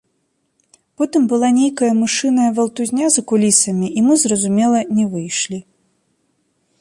Потым была нейкая мышыная валтузня за кулісамі, і мы, зразумела, не выйшлі.